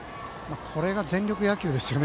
これが全力野球ですよね